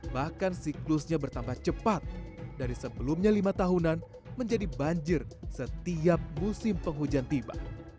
bahkan siklusnya bertambah cepat dari sebelumnya lima tahunan menjadi banjir setiap musim penghujan tiba